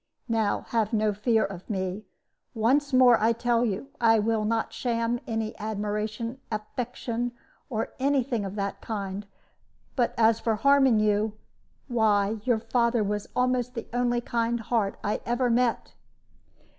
"Now have no fear of me, once more I tell you. I will not sham any admiration, affection, or any thing of that kind; but as for harming you why, your father was almost the only kind heart I ever met!"